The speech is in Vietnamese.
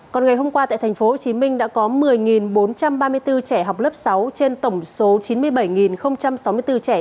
còn ngày hôm qua tại thành phố hồ chí minh đã có một mươi bốn trăm ba mươi bốn trẻ học lớp sáu trên tổng số chín mươi bảy sáu mươi bốn trẻ